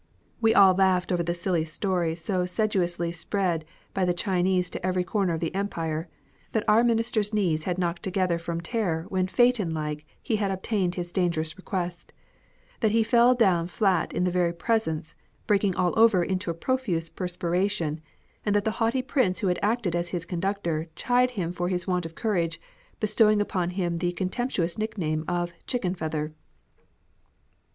We all laughed over the silly story so sedulously spread by the Chinese to every corner of the Empire, that our Minister's knees had knocked together from terror when Phaeton like he had obtained his dangerous request ; that he fell down flat in the very presence, breaking all over into a profuse perspiration, and that the haughty prince who had acted as his conductor chid him for his want of courage, bestowing upon him the contemptu ous nickname of ''chicken feather."